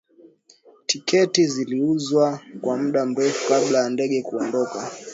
tiketi ziliuzwa kwa muda mrefu kabla ya ndege kuondoka